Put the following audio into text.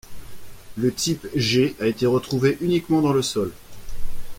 Le type G a été retrouvé uniquement dans le sol.